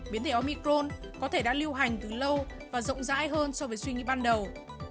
biến thể omicrone có thể đã lưu hành từ lâu và rộng rãi hơn so với suy nghĩ ban đầu